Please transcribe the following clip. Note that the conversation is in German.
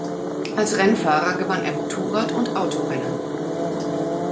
Als Rennfahrer gewann er Motorrad- und Autorennen.